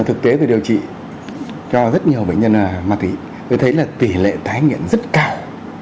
thực tế tôi điều trị cho rất nhiều bệnh nhân mạc thủy tôi thấy là tỷ lệ tái nghiện rất cao